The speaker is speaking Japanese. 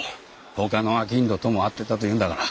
ほかの商人とも会ってたというんだから。